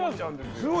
すごい。